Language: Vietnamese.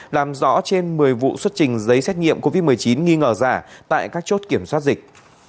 làm rõ trên một mươi vụ xuất trình giấy xét nghiệm covid một mươi chín nghi ngờ giả tại các chốt kiểm soát dịch